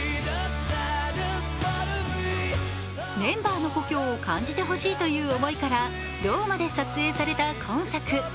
メンバーの故郷を感じてほしいという思いからローマで撮影された今作。